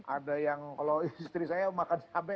ada yang kalau istri saya makan cabai